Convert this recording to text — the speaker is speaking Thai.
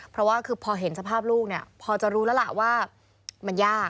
เพราะว่าคือพอเห็นสภาพลูกเนี่ยพอจะรู้แล้วล่ะว่ามันยาก